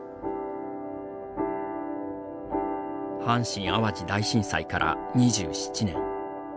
阪神・淡路大震災から２７年。